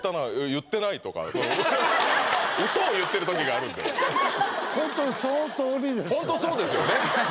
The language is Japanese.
「言ってない」とかうそを言ってる時があるんでホントそうですよね